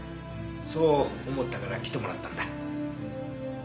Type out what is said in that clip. そう思ったから来てもらったんだ。